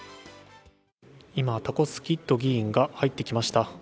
今、タコスキッド議員が入ってきました。